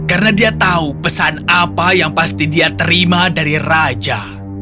karena dia tahu pesan apa yang pasti dia terima dari raja